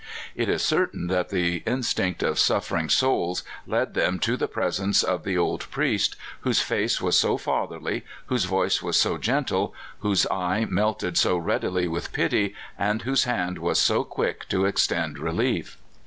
It is certain that the instinct of suffering souls led them to the presence of the old priest, whose face was so fatherly, v/hose voice was so gentle, whose eye melted so readily with pity, and whose hand was so quick to extend relief.